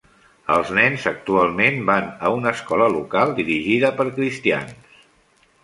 Els nens actualment van a una escola local dirigida per cristians.